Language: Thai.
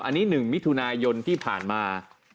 อันนี้๑มิถุนายนที่ผ่านมา